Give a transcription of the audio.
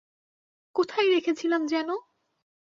কোথায় রেখেছিলাম যেন?